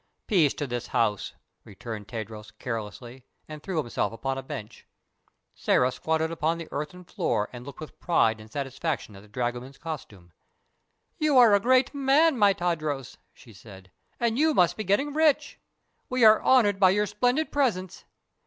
"Peace to this house," returned Tadros, carelessly, and threw himself upon a bench. Sĕra squatted upon the earthen floor and looked with pride and satisfaction at the dragoman's costume. "You are a great man, my Tadros," she said, "and you must be getting rich. We are honored by your splendid presence.